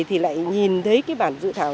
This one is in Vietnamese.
thì lại nhìn thấy cái bản dự thảo